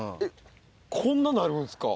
こんななるんですか。